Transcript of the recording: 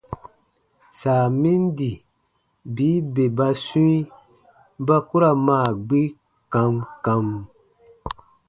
Saa min di bii bè ba swĩi ba k u ra maa gbi kam kam.